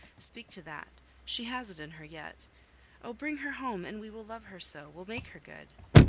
Speak to that, she has it in her yet, oh, bring her home, and we will love her so, we'll make her good."